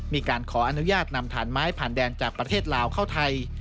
มีการขออนุญาตนำฐานไม้ผ่านแดนจากประเทศลาวเข้าไทย